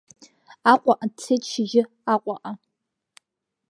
Аҟәаҟа дцеит шьыжьы, Аҟәаҟа!